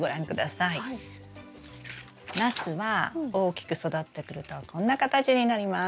ナスは大きく育ってくるとこんな形になります。